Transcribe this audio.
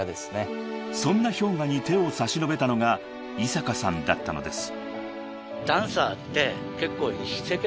［そんなＨｙＯｇＡに手を差し伸べたのが井坂さんだったのです］